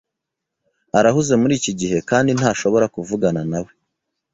Arahuze muri iki gihe kandi ntashobora kuvugana nawe.